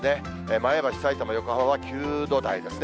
前橋、さいたま、横浜は９度台ですね。